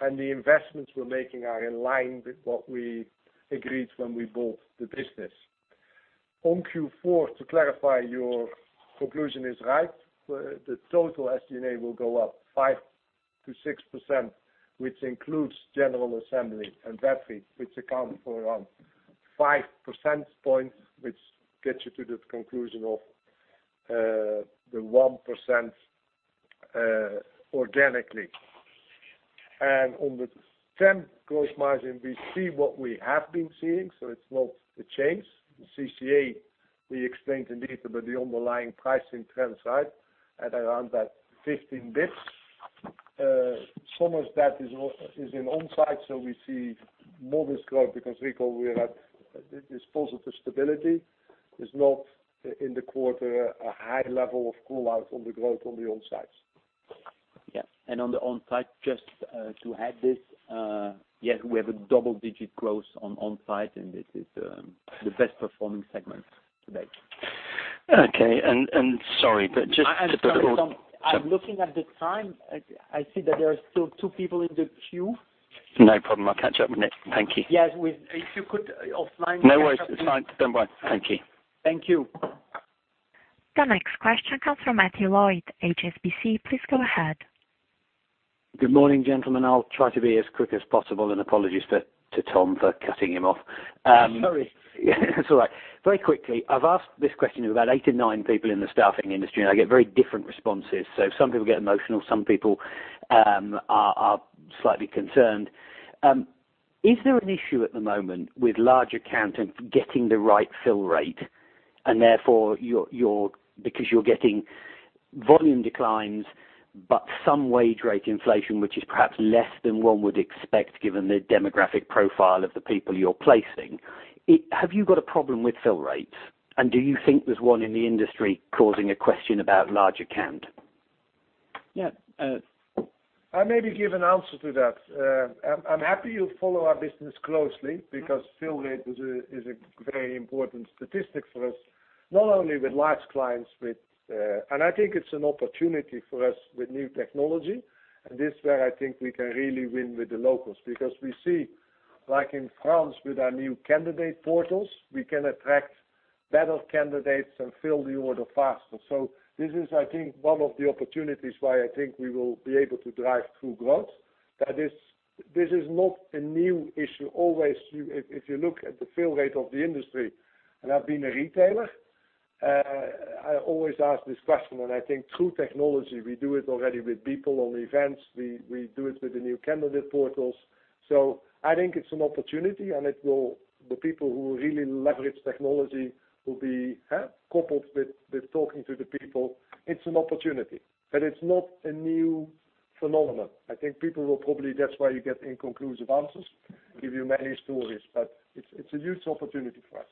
The investments we're making are in line with what we agreed when we bought the business. On Q4, to clarify, your conclusion is right. The total SG&A will go up 5%-6%, which includes General Assembly and Adecco, which account for around 5 percentage points, which gets you to the conclusion of the 1% organically. On the temp gross margin, we see what we have been seeing, it's not a change. The CCA, we explained in detail, the underlying pricing trends right at around that 15 basis points. Some of that is in Onsite, we see [modest growth] because recall we had this positive stability. It's not in the quarter a high level of pull out on the growth on the Onsite. Yes. On the Onsite, just to add this, yes, we have a double-digit growth on Onsite, and this is the best performing segment to date. Okay. Sorry, just to I'm sorry, Tom. I'm looking at the time. I see that there are still two people in the queue. No problem. I'll catch up, Nick. Thank you. Yes. If you could offline catch up. No worries. It is fine. Do not worry. Thank you. Thank you. The next question comes from Matthew Lloyd, HSBC. Please go ahead. Good morning, gentlemen. I'll try to be as quick as possible. Apologies to Tom for cutting him off. Sorry. It's all right. Very quickly, I've asked this question of about eight or nine people in the staffing industry. I get very different responses. Some people get emotional, some people are slightly concerned. Is there an issue at the moment with large account and getting the right fill rate? Therefore, because you're getting volume declines, but some wage rate inflation, which is perhaps less than one would expect given the demographic profile of the people you're placing. Have you got a problem with fill rates? Do you think there's one in the industry causing a question about large account? Yeah. I maybe give an answer to that. I'm happy you follow our business closely because fill rate is a very important statistic for us, not only with large clients. I think it's an opportunity for us with new technology. This where I think we can really win with the locals because we see, like in France with our new candidate portals, we can attract better candidates and fill the order faster. This is, I think, one of the opportunities why I think we will be able to drive through growth. This is not a new issue. Always, if you look at the fill rate of the industry, I've been a retailer, I always ask this question. I think through technology, we do it already with people on events. We do it with the new candidate portals. I think it's an opportunity. The people who really leverage technology will be coupled with talking to the people. It's an opportunity. It's not a new phenomenon. I think people will probably, that's why you get inconclusive answers, give you many stories. It's a huge opportunity for us.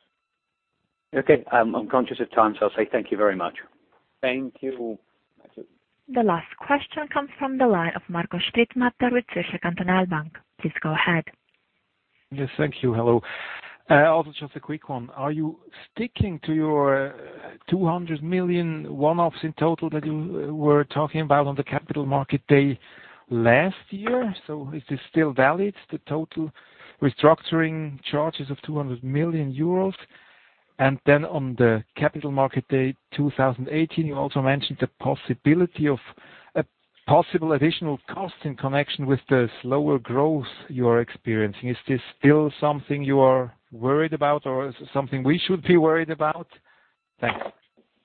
Okay. I am conscious of time, so I will say thank you very much. Thank you, Matthew. The last question comes from the line of Marco Strittmatter with Zürcher Kantonalbank. Please go ahead. Yes, thank you. Hello. Also just a quick one. Are you sticking to your 200 million one-offs in total that you were talking about on the capital market day last year? Is this still valid, the total restructuring charges of 200 million euros? On the capital market day 2018, you also mentioned a possible additional cost in connection with the slower growth you are experiencing. Is this still something you are worried about or is it something we should be worried about? Thank you.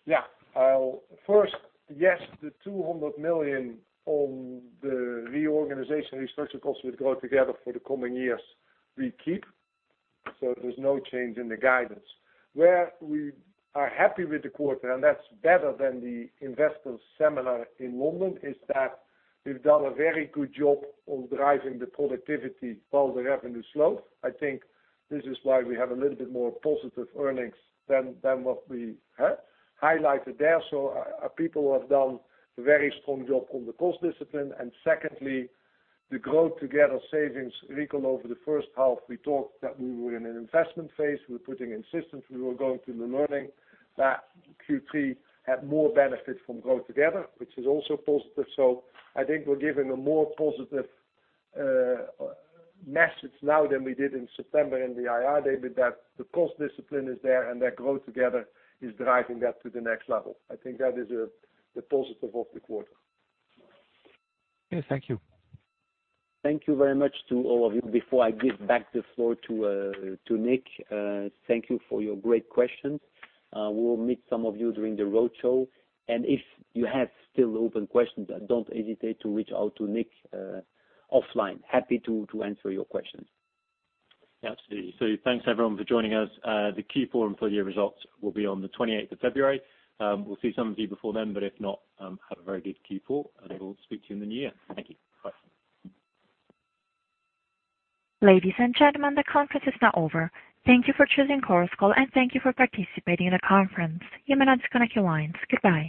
Yeah. First, yes, the 200 million on the reorganization restructure costs will GrowTogether for the coming years we keep. There's no change in the guidance. Where we are happy with the quarter, and that's better than the investor seminar in London, is that we've done a very good job of driving the productivity while the revenue is low. I think this is why we have a little bit more positive earnings than what we had highlighted there. Our people have done a very strong job on the cost discipline. Secondly, the GrowTogether savings. Recall over the first half, we talked that we were in an investment phase. We're putting in systems. We were going through the learning. That Q3 had more benefit from GrowTogether, which is also positive. I think we're giving a more positive message now than we did in September in the IR day with that. The cost discipline is there, and that GrowTogether is driving that to the next level. I think that is the positive of the quarter. Okay. Thank you. Thank you very much to all of you. Before I give back the floor to Nick, thank you for your great questions. We will meet some of you during the road show. If you have still open questions, don't hesitate to reach out to Nick offline. Happy to answer your questions. Thanks, everyone, for joining us. The Q4 and full year results will be on the 28th of February. We will see some of you before then, but if not, have a very good Q4, and we will speak to you in the new year. Thank you. Bye. Ladies and gentlemen, the conference is now over. Thank you for choosing Chorus Call, and thank you for participating in the conference. You may now disconnect your lines. Goodbye.